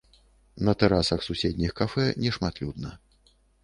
На тэрасах суседніх кафэ нешматлюдна.